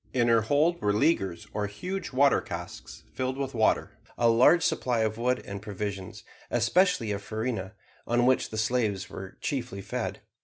In her hold were leaguers or huge water casks filled with water; a large supply of wood and provisions, especially of farina, on which slaves are chiefly fed.